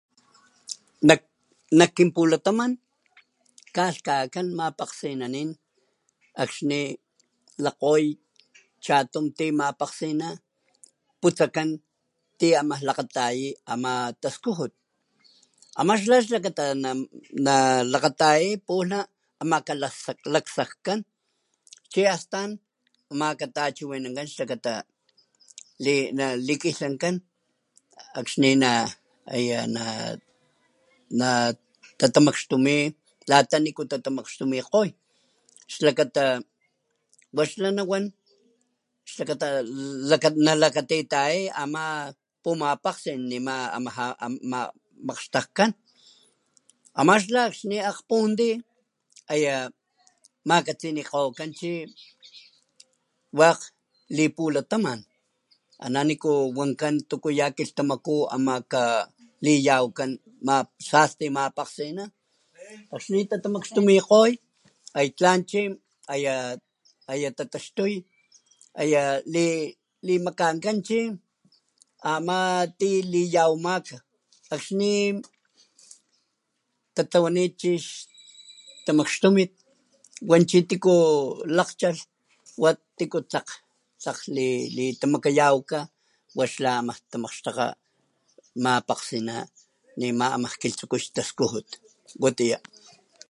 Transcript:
Nak nakinpulataman kalhkakan mapakgsinanin akxni lakgoy chatum ti mapakgsina putsakan ti ama lakgatayi ama taskujut ama xla xlakata nalakgataya puwana amaka laksakan chi astan amaka tachiwinankan xlakata li na likilhanka akxni na eye na na'tatamakxtumi lata niku tata makxtumikgoy xlakata wa xla nawan xlakata na kat nalakatitayaya ama pumapakgsin nima amaja makgxtajkan ama xla akxni akgpunti aya makatsinikgokan chi wakg lipulataman ana niku wankan tuku ya kilhtamaku amaka liyawakan ma sasti mapakgsina akxni tata makxtumikgoy tlan chi uyu tataxtuy aya limakankan chi ama ti liyawamaka akxni tatlawanit chix tamakxtumit wan chi tiku lakgchalh wa tiku tlakg litamakayawaka wa xla ama tamakgxtakga mapakgsina nima amakilhtsuku ix taskujut. Watiya.